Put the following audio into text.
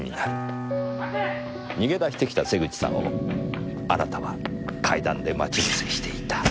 逃げ出してきた瀬口さんをあなたは階段で待ち伏せしていた。